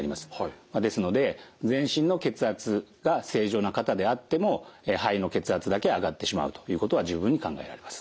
ですので全身の血圧が正常な方であっても肺の血圧だけ上がってしまうということは十分に考えられます。